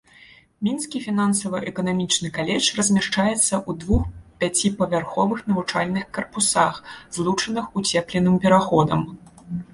Мінскі фінансава-эканамічны каледж размяшчаецца ў двух пяціпавярховых навучальных карпусах, злучаных уцепленым пераходам.